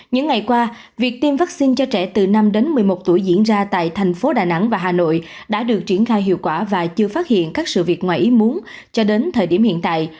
những ngày qua việc tiêm vaccine cho trẻ từ năm đến một mươi một tuổi diễn ra tại thành phố đà nẵng và hà nội đã được triển khai hiệu quả và chưa phát hiện các sự việc ngoài ý muốn cho đến thời điểm hiện tại